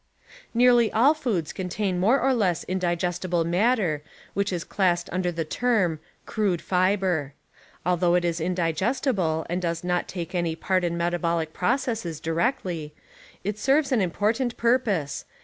Nearly all foods lontain more or less indigestible matter which is classed under the term "crude fiber". Although it is indigestible and does not take any part in metabolic processes P , directly. it serves an important purpose.